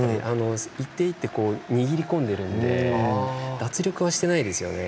一手一手握り込んでいるので脱力はしていないですよね。